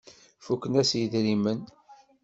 Fuken-as yidrimen.